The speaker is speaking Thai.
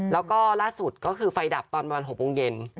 แล้วก็ล่าสุดก็คือไฟดับตอนประมาณ๖โมงเย็น